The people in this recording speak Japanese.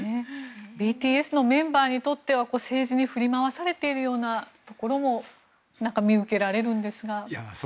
ＢＴＳのメンバーにとっては政治に振り回されているようなところも見受けられるんですが。